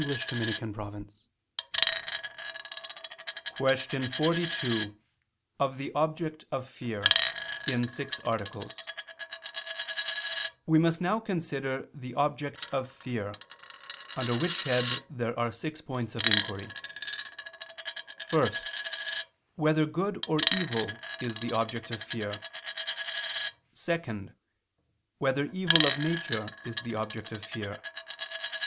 ________________________ QUESTION 42 OF THE OBJECT OF FEAR (In Six Articles) We must now consider the object of fear: under which head there are six points of inquiry: (1) Whether good or evil is the object of fear? (2) Whether evil of nature is the object of fear?